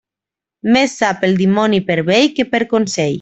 Més sap el dimoni per vell que per consell.